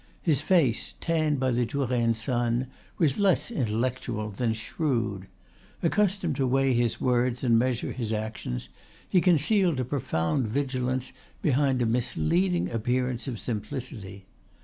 His face, tanned by the Touraine sun, was less intellectual than shrewd. Accustomed to weigh his words and measure his actions, he concealed a profound vigilance behind a misleading appearance of simplicity.